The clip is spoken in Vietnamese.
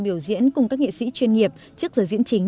biểu diễn cùng các nghệ sĩ chuyên nghiệp trước giờ diễn chính